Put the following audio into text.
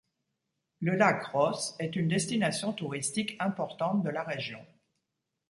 Le lac Ross est une destination touristique importante de la région.